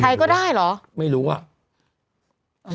ใครก็ได้เหรอก็ไม่รู้ไม่รู้อะ